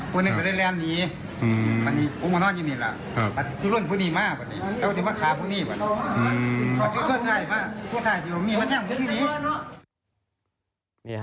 สุดท้ายที่เรามีมาแทนของทุกที่นี้